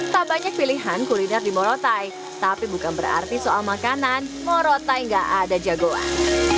tak banyak pilihan kuliner di morotai tapi bukan berarti soal makanan morotai gak ada jagoan